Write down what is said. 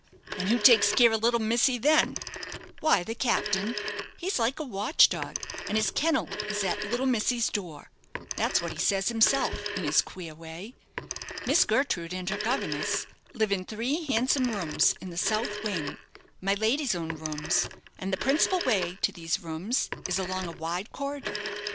and who takes care of little missy then?" "Why, the captain. He's like a watch dog, and his kennel is at little missy's door. That's what he says himself, in his queer way. Miss Gertrude and her governess live in three handsome rooms in the south wing my lady's own rooms and the principal way to these rooms is along a wide corridor.